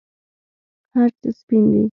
هرڅه سپین دي